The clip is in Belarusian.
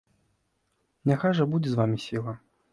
Няхай жа будзе з вамі сіла!